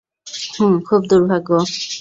হুম, খুব দুর্ভাগ্য।